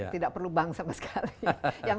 tidak perlu bank sama sekali